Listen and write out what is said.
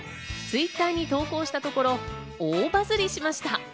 Ｔｗｉｔｔｅｒに投稿したところ、大バズりしました。